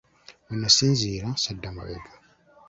Bwe nasinziira, sadda mabega.